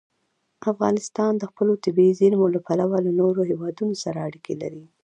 افغانستان د خپلو طبیعي زیرمو له پلوه له نورو هېوادونو سره اړیکې لري.